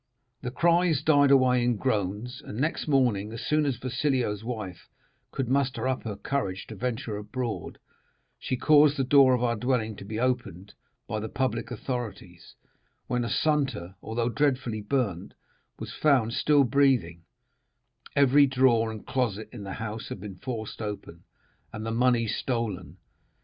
The cries died away in groans, and next morning, as soon as Wasilio's wife could muster up courage to venture abroad, she caused the door of our dwelling to be opened by the public authorities, when Assunta, although dreadfully burnt, was found still breathing; every drawer and closet in the house had been forced open, and the money stolen.